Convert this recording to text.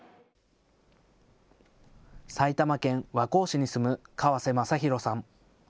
埼玉県和光市に住む川瀬正広さん。